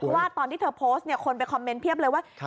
เพราะว่าตอนที่เธอโพสต์คุณไปคอมเมนต์เพียบเลยว่า